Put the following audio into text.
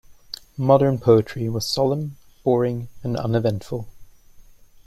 Modern poetry was solemn, boring, and uneventful.